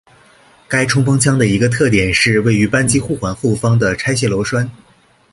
该冲锋枪的一个特点是位于扳机护环后方的拆卸螺栓。